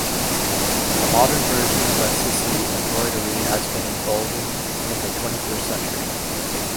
A modern version of Assisi embroidery has been evolving in the twenty-first century.